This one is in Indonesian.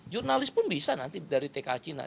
jurnalis pun bisa nanti dari tk cina